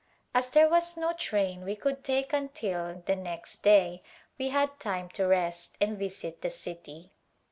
As there was no train we could take until the next day, we had time to rest and visit the city.